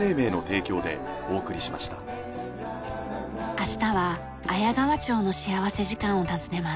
明日は綾川町の幸福時間を訪ねます。